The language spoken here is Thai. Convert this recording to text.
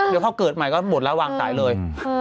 เดี๋ยวพอเกิดใหม่ก็หมดแล้ววางสายเลย